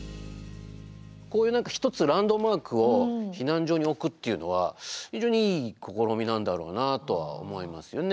こういう何か一つランドマークを避難所に置くっていうのは非常にいい試みなんだろうなとは思いますよね。